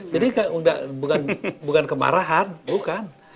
jadi bukan kemarahan bukan